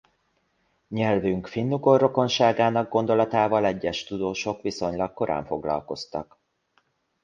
Nyelvünk finnugor rokonságának gondolatával egyes tudósok viszonylag korán foglalkoztak.